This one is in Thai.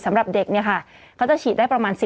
สำหรับเด็กเนี่ยค่ะเขาจะฉีดได้ประมาณ๑๐